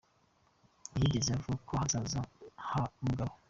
Ntiyigeze avuga ku hazaza ha Mugabe.